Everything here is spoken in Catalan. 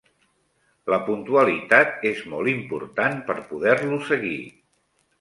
La puntualitat és molt important per poder-lo seguir.